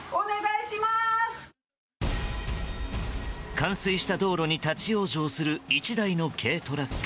冠水した道路に立ち往生する１台の軽トラック。